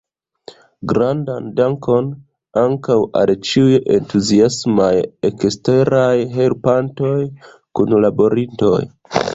Grandan dankon ankaŭ al ĉiuj entuziasmaj eksteraj helpantoj, kunlaborintoj!